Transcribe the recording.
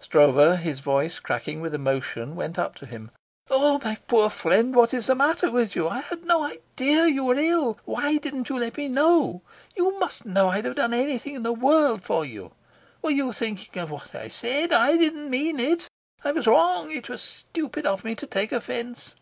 Stroeve, his voice cracking with emotion, went up to him. "Oh, my poor friend, what is the matter with you? I had no idea you were ill. Why didn't you let me know? You must know I'd have done anything in the world for you. Were you thinking of what I said? I didn't mean it. I was wrong. It was stupid of me to take offence."